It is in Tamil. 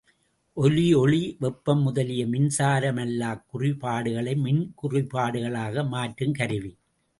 ஒலி, ஒளி, வெப்பம் முதலிய மின்சாரமல்லாக் குறிபாடுகளை மின்குறிபாடுகளாக மாற்றுங் கருவி.